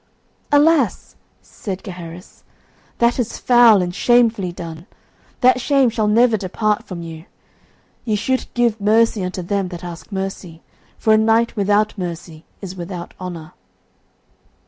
"Alas!" said Gaheris, "that is foul and shamefully done; that shame shall never depart from you. Ye should give mercy unto them that ask mercy, for a knight without mercy is without honour."